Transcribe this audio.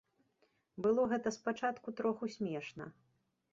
Было гэта спачатку троху смешна.